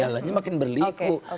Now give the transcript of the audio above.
jalannya makin berliku